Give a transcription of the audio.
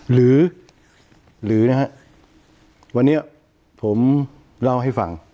หรือหรือนะฮะวันนี้ผมเล่าให้ฟัง